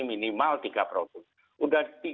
minimal tiga produk sudah